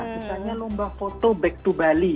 misalnya lomba foto back to bali